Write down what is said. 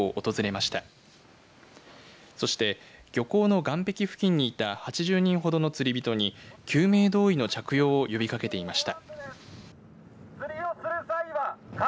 そして、漁港の岸壁付近にいた８０人ほどの釣り人に救命胴衣の着用を呼びかけていました。